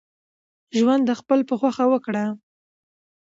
ژوند دخپل په خوښه وکړئ